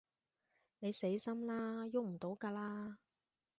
你死心啦，逳唔到㗎喇